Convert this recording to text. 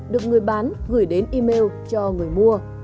được người bán gửi đến email cho người mua